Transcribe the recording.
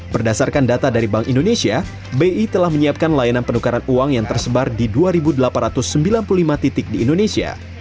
berdasarkan data dari bank indonesia bi telah menyiapkan layanan penukaran uang yang tersebar di dua delapan ratus sembilan puluh lima titik di indonesia